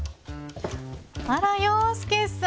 あら洋輔さん。